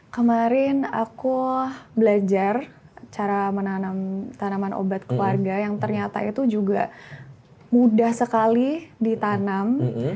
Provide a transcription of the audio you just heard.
kemarin aku belajar cara menanam tanaman obat keluarga yang ternyata itu juga mudah sekali ditanam